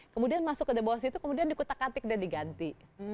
kemudian masuk ke bawah situ kemudian dikutak atik dan diganti